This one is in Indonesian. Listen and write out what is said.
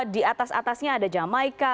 di atas atasnya ada jamaika